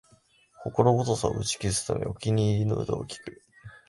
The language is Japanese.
心細さを打ち消すため、お気に入りの歌を聴く